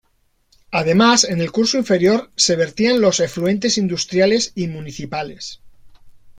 Además, en el curso inferior, se vertían los efluentes industriales y municipales.